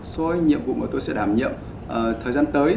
số nhiệm vụ mà tôi sẽ đảm nhậm thời gian tới